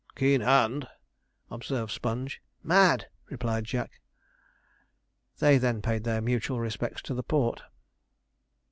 'Keen hand!' observed Sponge. 'Mad!' replied Jack. They then paid their mutual respects to the port.